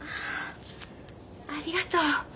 ありがとう。